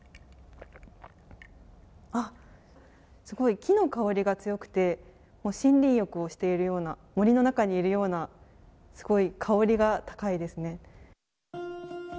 すごい、木の香りが強くて森林浴をしているような森の中にいるようなすごい香りが高いですね。